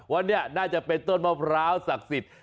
ว่านี่น่าจะเป็นต้นมะพร้าวศักดิ์สิทธิ์